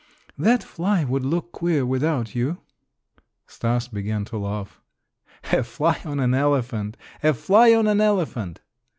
"That fly would look queer without you." Stas began to laugh. "A fly on an elephant! A fly on an elephant!"